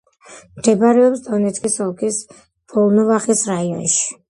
მდებარეობს დონეცკის ოლქის ვოლნოვახის რაიონში.